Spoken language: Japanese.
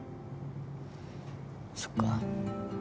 そっか。